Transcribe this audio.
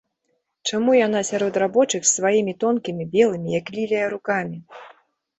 Чаму яна сярод рабочых з сваімі тонкімі, белымі, як лілія, рукамі?